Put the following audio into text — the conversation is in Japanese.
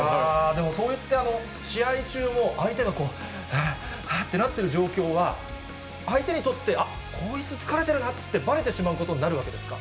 でもそういった試合中も、相手がこう、はあ、はあ、はあってなってる状況は、相手にとって、あっ、こいつ、疲れてるなってばれてしまうことになるわけですか？